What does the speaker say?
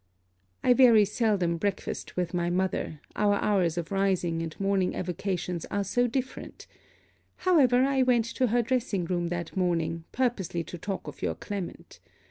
I very seldom breakfast with my mother, our hours of rising and morning avocations are so different; however, I went to her dressing room that morning, purposely to talk of your Clement.